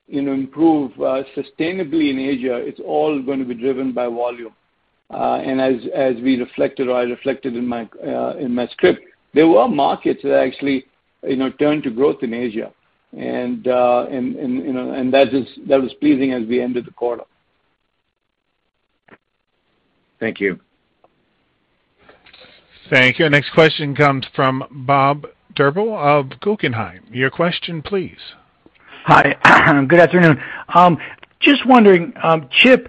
you know improve sustainably in Asia, it's all going to be driven by volume. As we reflected or I reflected in my script, there were markets that actually you know turned to growth in Asia. That was pleasing as we ended the quarter. Thank you. Thank you. Next question comes from Bob Drbul of Guggenheim. Your question please. Hi. Good afternoon. Just wondering, Chip,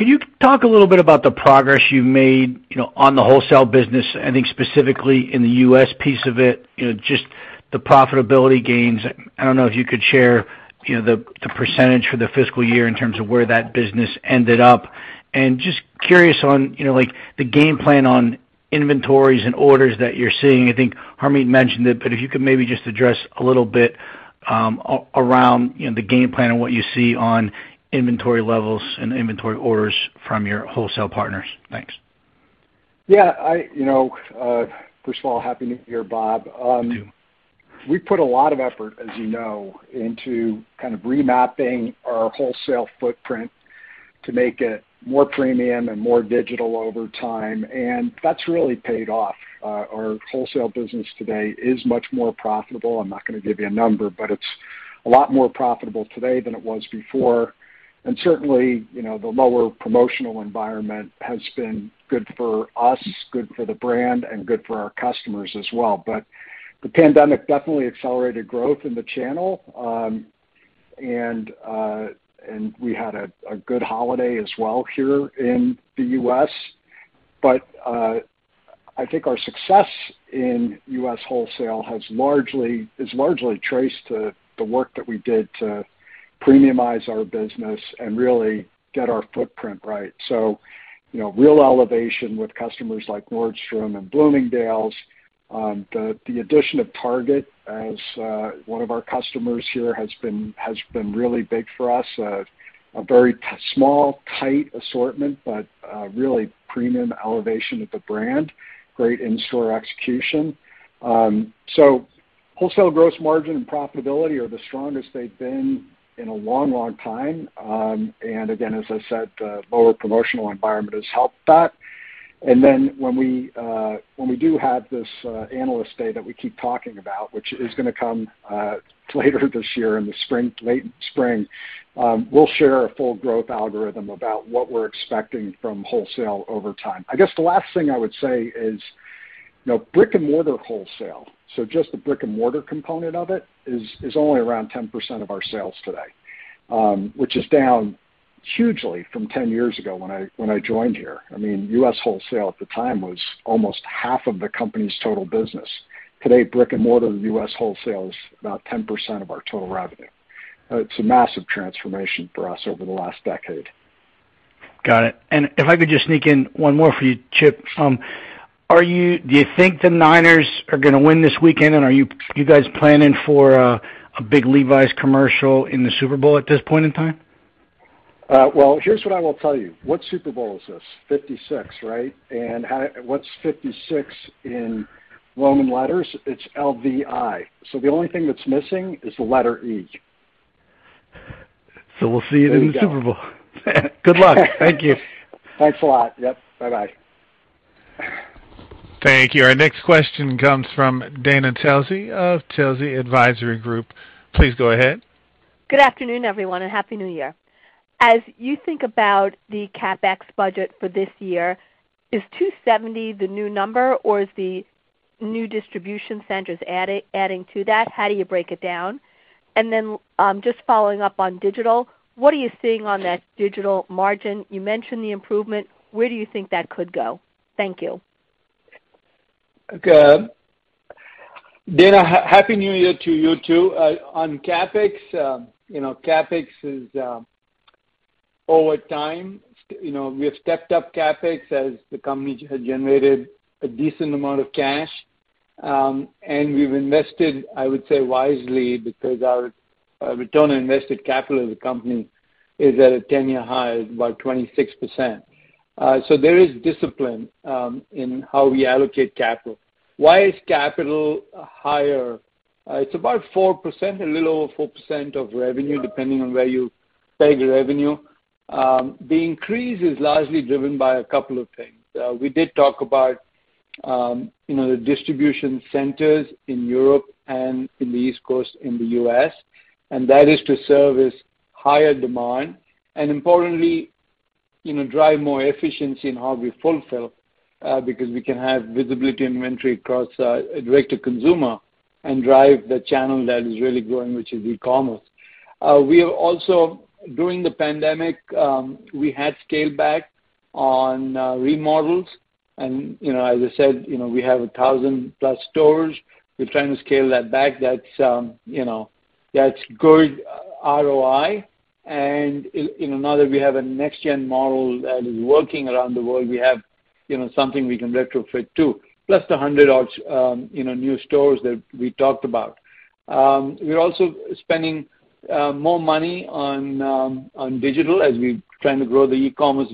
could you talk a little bit about the progress you made, you know, on the wholesale business? I think specifically in the U.S. piece of it, you know, just the profitability gains. I don't know if you could share, you know, the percentage for the fiscal year in terms of where that business ended up. Just curious on, you know, like the game plan on inventories and orders that you're seeing. I think Harmit mentioned it, but if you could maybe just address a little bit, around, you know, the game plan and what you see on inventory levels and inventory orders from your wholesale partners. Thanks. You know, first of all, Happy New Year, Bob. We put a lot of effort, as you know, into kind of remapping our wholesale footprint to make it more premium and more digital over time, and that's really paid off. Our wholesale business today is much more profitable. I'm not going to give you a number, but it's a lot more profitable today than it was before. Certainly, you know, the lower promotional environment has been good for us, good for the brand and good for our customers as well. The pandemic definitely accelerated growth in the channel, and we had a good holiday as well here in the U.S. I think our success in U.S. wholesale is largely traced to the work that we did to premiumize our business and really get our footprint right. You know, real elevation with customers like Nordstrom and Bloomingdale's. The addition of Target as one of our customers here has been really big for us. A very small, tight assortment, but really premium elevation of the brand, great in-store execution. Wholesale gross margin and profitability are the strongest they've been in a long, long time. Again, as I said, the lower promotional environment has helped that. When we do have this Analyst Day that we keep talking about, which is going to come later this year in the spring, late spring, we'll share a full growth algorithm about what we're expecting from wholesale over time. I guess the last thing I would say is, you know, brick-and-mortar wholesale, so just the brick-and-mortar component of it, is only around 10% of our sales today. Which is down hugely from 10 years ago when I joined here. I mean, U.S. wholesale at the time was almost half of the company's total business. Today, brick-and-mortar U.S. wholesale is about 10% of our total revenue. It's a massive transformation for us over the last decade. Got it. If I could just sneak in one more for you, Chip. Do you think the Niners are going to win this weekend, and are you guys planning for a big Levi's commercial in the Super Bowl at this point in time? Well, here's what I will tell you. What Super Bowl is this? 56, right? What's 56 in Roman letters? It's LVI. The only thing that's missing is the letter E. We'll see you in the Super Bowl. Good luck. Thank you. Thanks a lot. Yep. Bye-bye. Thank you. Our next question comes from Dana Telsey of Telsey Advisory Group. Please go ahead. Good afternoon, everyone, and Happy New Year. As you think about the CapEx budget for this year, is $270 million the new number, or is the new distribution centers adding to that? How do you break it down? Just following up on digital, what are you seeing on that digital margin? You mentioned the improvement. Where do you think that could go? Thank you. Okay. Dana, Happy New Year to you, too. On CapEx, you know, CapEx is over time. You know, we have stepped up CapEx as the company generated a decent amount of cash. We've invested, I would say wisely because our return on invested capital as a company is at a 10-year high of about 26%. So there is discipline in how we allocate capital. Why is capital higher? It's about 4%, a little over 4% of revenue, depending on where you peg revenue. The increase is largely driven by a couple of things. We did talk about you know the distribution centers in Europe and in the East Coast in the U.S., and that is to service higher demand and importantly you know drive more efficiency in how we fulfill because we can have visibility and inventory across our direct to consumer and drive the channel that is really growing, which is e-commerce. We are also during the pandemic we had scaled back on remodels and you know as I said you know we have 1,000-plus stores. We're trying to scale that back. That's good ROI. You know now that we have a NextGen model that is working around the world, we have you know something we can retrofit to. Plus the 100-odd new stores that we talked about. We're also spending more money on digital as we're trying to grow the e-commerce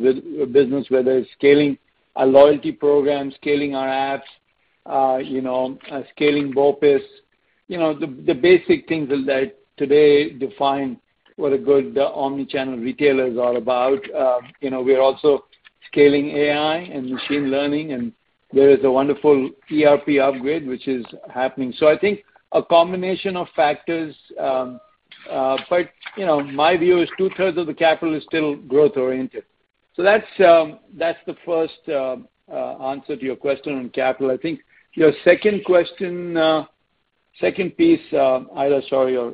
business, whether it's scaling our loyalty program, scaling our apps, you know, scaling BOPUS. You know, the basic things that today define what a good omnichannel retailer is all about. You know, we are also scaling AI and machine learning, and there is a wonderful ERP upgrade which is happening. I think a combination of factors, but you know, my view is 2/3 of the capital is still growth oriented. That's the 1st answer to your question on capital. I think your 2nd question, 2nd piece, Aida, sorry, your-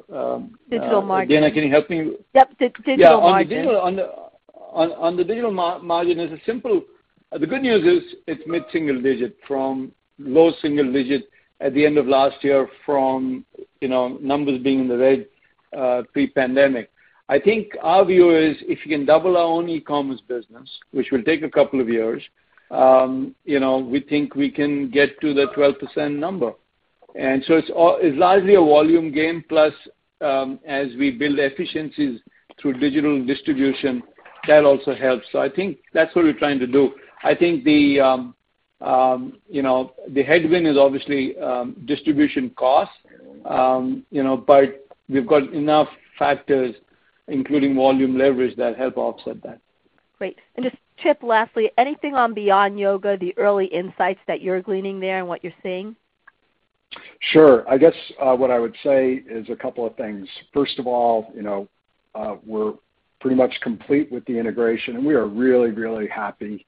Digital margin Dana, can you help me? Yep. Digital margin. On the digital margin is simple. The good news is it's mid-single-digit % from low-single-digit % at the end of last year, you know, numbers being in the red pre-pandemic. I think our view is if we can double our own e-commerce business, which will take a couple of years, you know, we think we can get to the 12% number. It's largely a volume game. Plus, as we build efficiencies through digital distribution, that also helps. I think that's what we're trying to do. I think the headwind is obviously distribution costs. You know, we've got enough factors, including volume leverage, that help offset that. Great. Just, Chip, lastly, anything on Beyond Yoga, the early insights that you're gleaning there and what you're seeing? Sure. I guess what I would say is a couple of things. 1st of all, you know, we're pretty much complete with the integration, and we are really, really happy.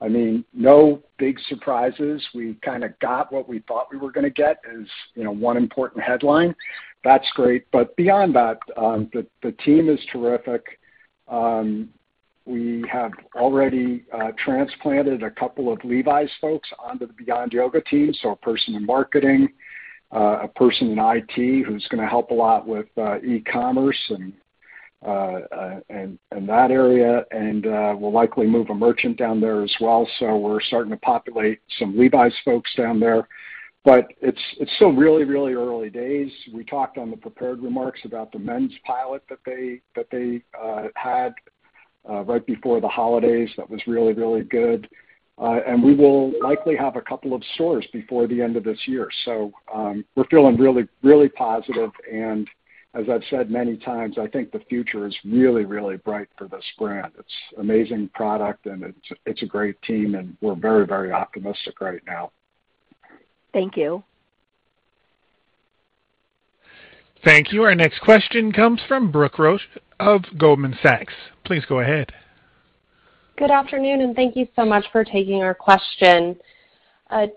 I mean, no big surprises. We kind of got what we thought we were going to get is, you know, one important headline. That's great. Beyond that, the team is terrific. We have already transplanted a couple of Levi's folks onto the Beyond Yoga team. A person in marketing, a person in IT who's going to help a lot with e-commerce and that area. We'll likely move a merchant down there as well. We're starting to populate some Levi's folks down there. It's still really, really early days. We talked in the prepared remarks about the men's pilot that they had right before the holidays. That was really, really good. We will likely have a couple of stores before the end of this year. We're feeling really, really positive. As I've said many times, I think the future is really, really bright for this brand. It's amazing product, and it's a great team, and we're very, very optimistic right now. Thank you. Thank you. Our next question comes from Brooke Roach of Goldman Sachs. Please go ahead. Good afternoon, and thank you so much for taking our question.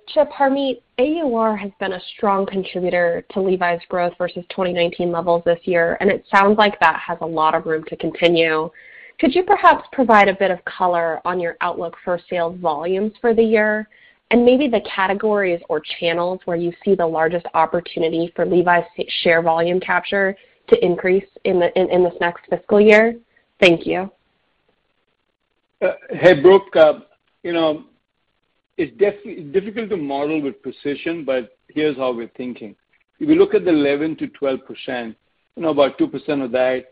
Chip, Harmeet, AUR has been a strong contributor to Levi's growth versus 2019 levels this year, and it sounds like that has a lot of room to continue. Could you perhaps provide a bit of color on your outlook for sales volumes for the year, and maybe the categories or channels where you see the largest opportunity for Levi's share volume capture to increase in this next fiscal year? Thank you. Hey, Brooke. You know, it's difficult to model with precision, but here's how we're thinking. If you look at the 11%-12%, you know, about 2% of that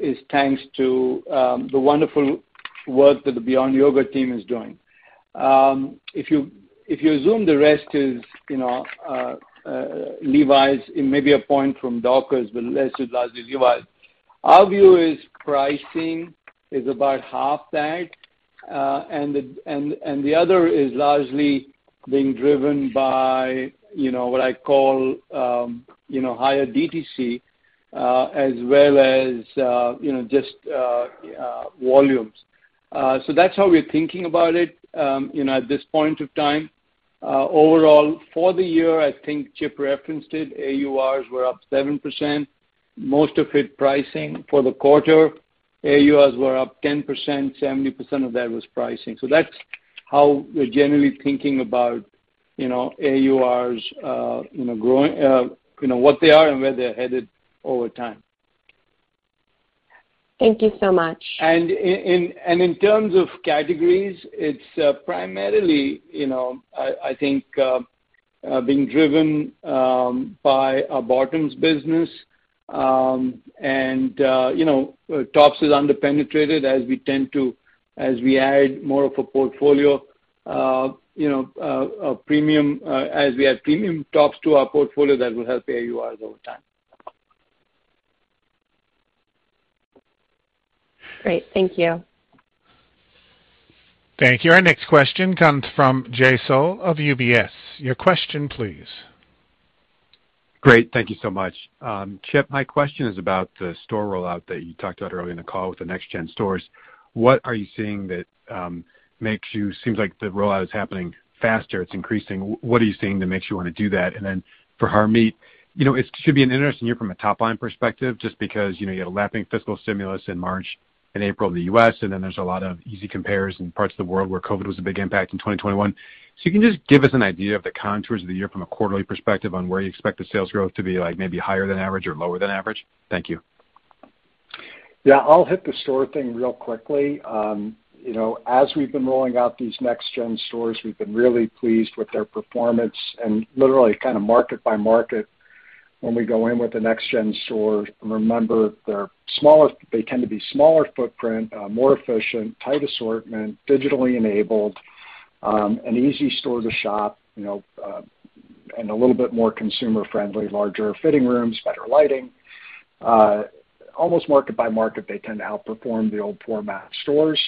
is thanks to the wonderful work that the Beyond Yoga team is doing. If you assume the rest is, you know, Levi's and maybe a point from Dockers, but let's just largely Levi's. Our view is pricing is about half that, and the other is largely being driven by, you know, what I call higher DTC as well as, you know, just volumes. So that's how we're thinking about it, you know, at this point of time. Overall, for the year, I think Chip referenced it, AURs were up 7%, most of it pricing. For the quarter, AURs were up 10%, 70% of that was pricing. That's how we're generally thinking about, you know, AURs, you know, growing, you know, what they are and where they're headed over time. Thank you so much. In terms of categories, it's primarily, you know, I think being driven by our bottoms business. You know, tops is under-penetrated as we add more of a portfolio, you know, a premium, as we add premium tops to our portfolio, that will help AURs over time. Great. Thank you. Thank you. Our next question comes from Jay Sole of UBS. Your question, please. Great. Thank you so much. Chip, my question is about the store rollout that you talked about earlier in the call with the NextGen stores. What are you seeing that makes you seem like the rollout is happening faster. It's increasing. What are you seeing that makes you want to do that? And then for Harmit, you know, it should be an interesting year from a top line perspective just because, you know, you have a lapping fiscal stimulus in March in April in the U.S., and then there's a lot of easy compares in parts of the world where COVID was a big impact in 2021. So you can just give us an idea of the contours of the year from a quarterly perspective on where you expect the sales growth to be, like maybe higher than average or lower than average? Thank you. Yeah. I'll hit the store thing real quickly. You know, as we've been rolling out these next gen stores, we've been really pleased with their performance and literally kind market by market when we go in with the next gen store. Remember, they're smaller. They tend to be smaller footprint, more efficient, tight assortment, digitally enabled, an easy store to shop, you know, and a little bit more consumer friendly, larger fitting rooms, better lighting. Almost market by market, they tend to outperform the old format stores.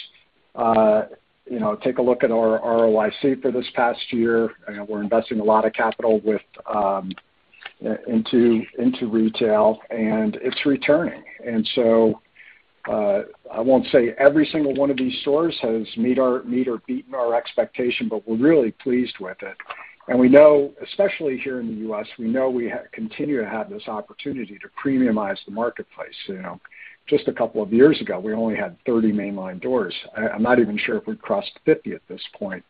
You know, take a look at our ROIC for this past year. You know, we're investing a lot of capital into retail, and it's returning. I won't say every single one of these stores has met or beaten our expectation, but we're really pleased with it. We know, especially here in the U.S., we know we continue to have this opportunity to premiumize the marketplace. You know, just a couple of years ago, we only had 30 mainline doors. I'm not even sure if we've crossed 50 at this point.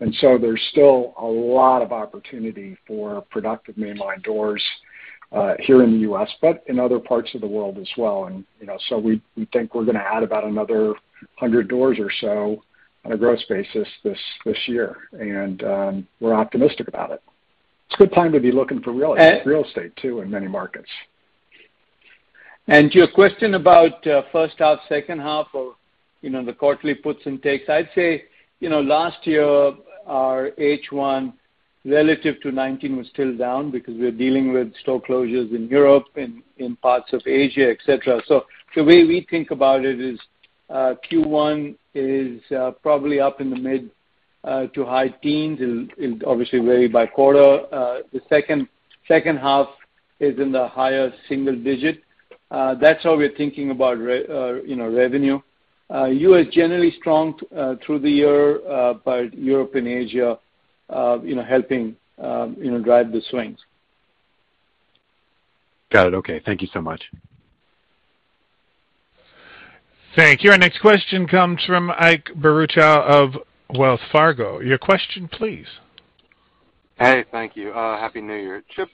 There's still a lot of opportunity for productive mainline doors here in the U.S., but in other parts of the world as well. You know, we think we're going to add about another 100 doors or so on a growth basis this year. We're optimistic about it. It's a good time to be looking for real estate too in many markets. To your question about first half, second half or, you know, the quarterly puts and takes, I'd say, you know, last year, our H1 relative to 2019 was still down because we're dealing with store closures in Europe and in parts of Asia, et cetera. The way we think about it is Q1 is probably up in the mid- to high teens. It'll obviously vary by quarter. The second half is in the higher single digit. That's how we're thinking about, you know, revenue. U.S. generally strong through the year, but Europe and Asia, you know, helping, you know, drive the swings. Got it. Okay. Thank you so much. Thank you. Our next question comes from Ike Boruchow of Wells Fargo. Your question please. Hey, thank you. Happy New Year. Chip,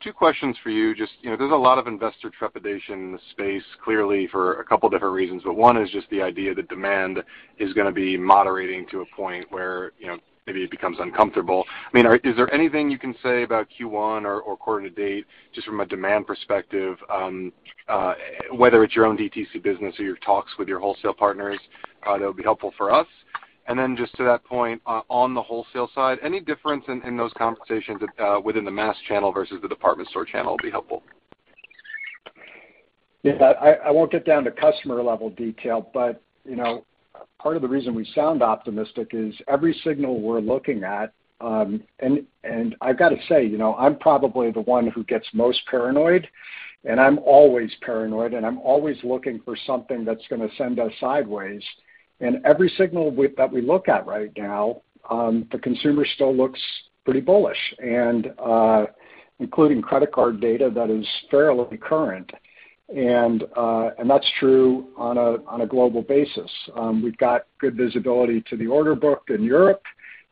2 questions for you. Just, you know, there's a lot of investor trepidation in the space, clearly for a couple different reasons, but one is just the idea that demand is going to be moderating to a point where, you know, maybe it becomes uncomfortable. I mean, is there anything you can say about Q1 or quarter to date just from a demand perspective, whether it's your own DTC business or your talks with your wholesale partners, that would be helpful for us. Just to that point, on the wholesale side, any difference in those conversations within the mass channel versus the department store channel would be helpful. Yeah. I won't get down to customer-level detail, but you know, part of the reason we sound optimistic is every signal we're looking at. I've got say, you know, I'm probably the one who gets most paranoid, and I'm always paranoid, and I'm always looking for something that's going to send us sideways. Every signal that we look at right now, the consumer still looks pretty bullish, and that's true on a global basis. We've got good visibility to the order book in Europe,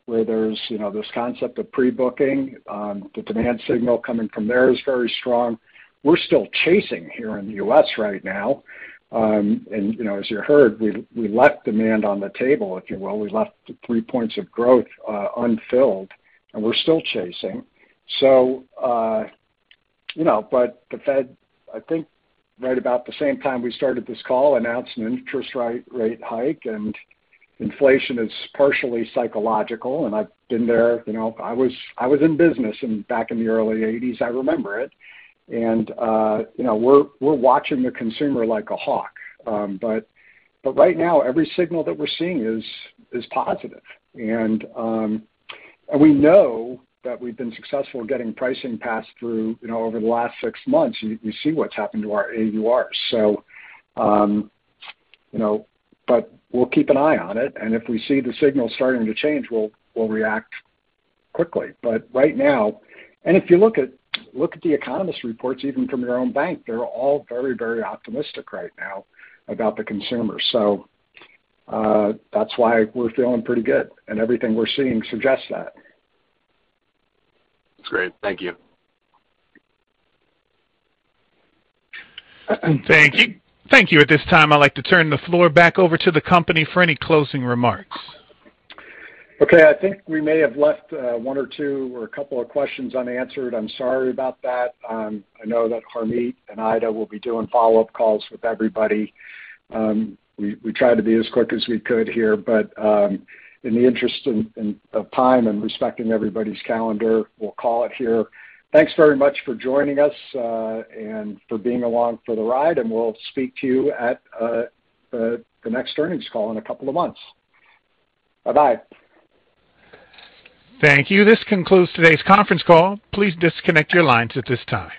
where there's you know, this concept of pre-booking. The demand signal coming from there is very strong. We're still chasing here in the U.S. right now. You know, as you heard, we left demand on the table, if you will. We left the 3 points of growth unfilled, and we're still chasing. You know, but the Fed, I think right about the same time we started this call, announced an interest rate hike and inflation is partially psychological, and I've been there. You know, I was in business back in the early 1980s. I remember it. You know, we're watching the consumer like a hawk. But right now every signal that we're seeing is positive. We know that we've been successful getting pricing passed through, you know, over the last 6 months. You see what's happened to our AUR. You know, but we'll keep an eye on it, and if we see the signal starting to change, we'll react quickly. Right now. If you look at the economist reports, even from your own bank, they're all very, very optimistic right now about the consumer. That's why we're feeling pretty good, and everything we're seeing suggests that. That's great. Thank you. Thank you. Thank you. At this time, I'd like to turn the floor back over to the company for any closing remarks. Okay. I think we may have left one or 2 or a couple of questions unanswered. I'm sorry about that. I know that Harmeet and Ida will be doing follow-up calls with everybody. We tried to be as quick as we could here. In the interest of time and respecting everybody's calendar, we'll call it here. Thanks very much for joining us and for being along for the ride, and we'll speak to you at the next earnings call in a couple of months. Bye-bye. Thank you. This concludes today's conference call. Please disconnect your lines at this time.